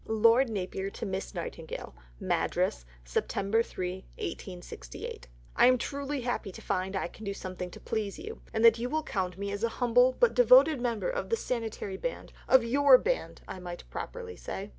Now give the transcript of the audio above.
(Lord Napier to Miss Nightingale.) MADRAS, Sept. 3 . I am truly happy to find that I can do something to please you and that you will count me as a humble but devoted member of the Sanitary band, of your band I might more properly say!